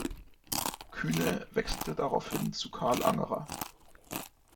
Kühne wechselte daraufhin zu Karl Angerer.